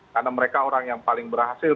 karena mereka orang yang paling berhasil